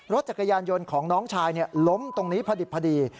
รถจักรยานยนต์ของน้องชายล้มตรงนี้พอดิบพอดี